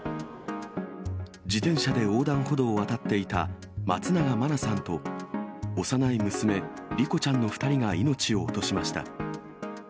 自転車で横断歩道を渡っていた松永真菜さんと、幼い娘、莉子ちゃんの２人が命を落としました。